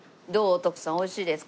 徳さんおいしいですか？